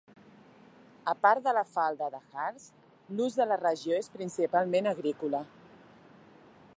A part de la falda de Harz l'ús de la regió és principalment agrícola.